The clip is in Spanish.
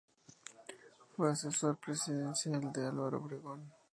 Fue asesor presidencial de Álvaro Obregón.